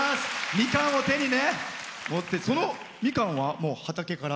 みかんを手に持ってそのみかんは畑から？